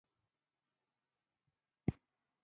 تنوع د افغان کلتور په داستانونو کې راځي.